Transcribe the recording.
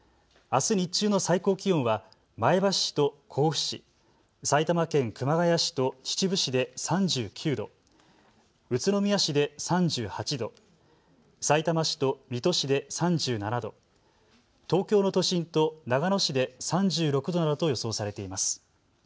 あす日中の最高気温は前橋市と甲府市、埼玉県熊谷市と秩父市で３９度、宇都宮市で３８度、さいたま市と水戸市で３７度、東京の都心と長野市で３６度などと予想されています。